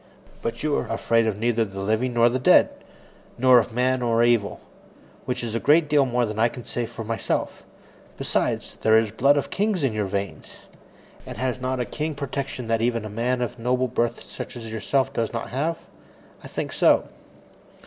But you are afraid of neither the living nor the dead, nor of man nor devil which is a great deal more than I can say for myself. Besides, there is the blood of kings in your veins. And has not a king protection that even a man of noble blood such as myself does not have? I think so.